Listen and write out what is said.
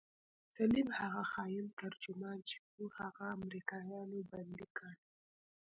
سليم هغه خاين ترجمان چې و هغه امريکايانو بندي کړى.